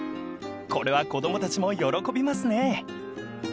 ［これは子供たちも喜びますね］